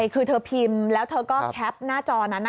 คือเธอพิมพ์แล้วเธอก็แคปหน้าจอนั้น